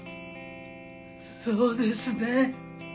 そうですね。